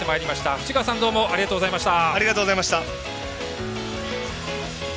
藤川さんどうもありがとうございました。